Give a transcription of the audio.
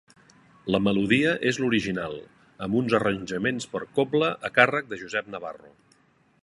La melodia és l'original, amb uns arranjaments per cobla a càrrec de Josep Navarro.